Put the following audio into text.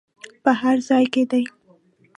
په هر ځای کې دې.